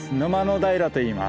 平といいます。